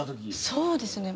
そうですね